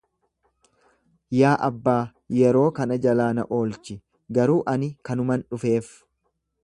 Yaa Abbaa, yeroo kana jalaa na oolchi, garuu ani kanuman dhufeef.